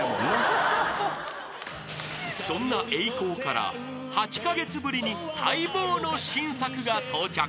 ［そんなＥＩＫＯから８カ月ぶりに待望の新作が到着］